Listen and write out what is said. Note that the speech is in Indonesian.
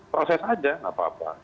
proses saja tidak apa apa